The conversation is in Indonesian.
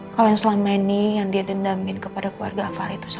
kalau yang selama ini yang dia dendamkan kepada keluarga afar itu salah